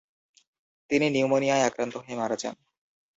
তিনি নিউমোনিয়ায় আক্রান্ত হয়ে মারা যান।